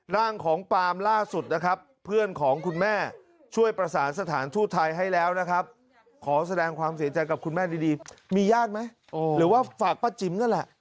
ร่างของปามล่าสุดนะครับเพื่อนของคุณแม่ช่วยประสานสถานทูตไทยให้แล้วนะครับขอแสดงความเสียใจกับคุณแม่ดีมีญาติไหมหรือว่าฝากป้าจิ๋มนั่นแหละ